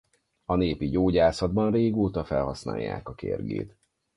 A népi gyógyászatban régóta felhasználják a kérgét.